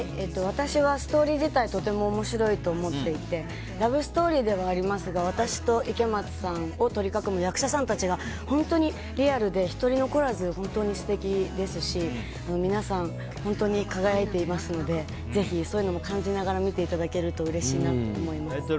私はストーリー自体とても面白いと思っていてラブストーリーではありますが私と池松さんを取り囲む役者さんたちが本当にリアルで１人残らず本当に素敵ですし皆さん、本当に輝いていますのでぜひ、そういうのも感じながら見ていただけるとうれしいなと思います。